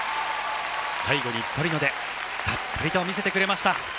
最後にトリノでたっぷりと見せてくれました。